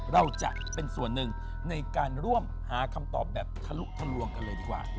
เราจะเป็นส่วนหนึ่งในการร่วมหาคำตอบแบบทะลุทะลวงกันเลยดีกว่า